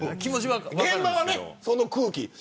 現場はね、その空気。